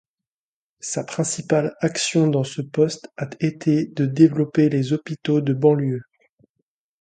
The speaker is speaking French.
Sa principale action dans ce poste a été de développer les hôpitaux de banlieue.